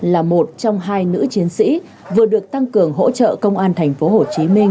là một trong hai nữ chiến sĩ vừa được tăng cường hỗ trợ công an tp hcm